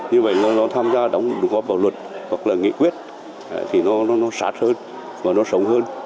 như vậy nó tham gia đóng góp vào luật hoặc là nghị quyết thì nó sát hơn và nó sống hơn